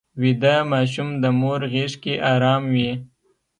ویده ماشوم د مور غېږ کې ارام وي